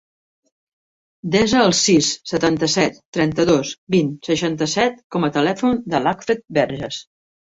Desa el sis, setanta-set, trenta-dos, vint, seixanta-set com a telèfon de l'Acfred Verges.